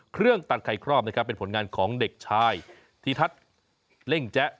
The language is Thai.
เครื่องตัดไข่ครอบนะครับเป็นผลงานของเด็กชายธิทัศน์เล่งแจ๊